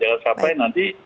jangan sampai nanti